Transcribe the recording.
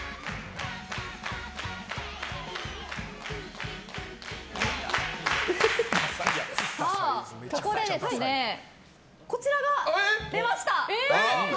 ぷはーっここで、こちらが出ました！